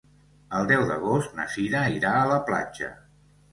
El deu d'agost na Sira irà a la platja.